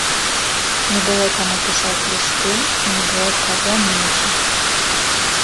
Не было каму пісаць лісты і не было ад каго мець іх.